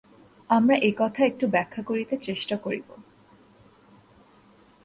আমরা এ-কথা একটু ব্যাখ্যা করিতে চেষ্টা করিব।